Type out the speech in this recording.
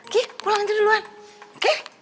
giy pulang aja duluan oke